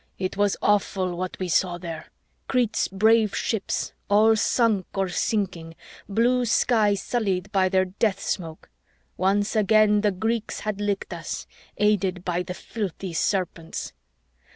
It was awful, what we saw there: Crete's brave ships all sunk or sinking, blue sky sullied by their death smoke. Once again the Greeks had licked us! aided by the filthy Serpents.